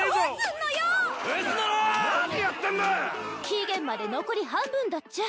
期限まで残り半分だっちゃ。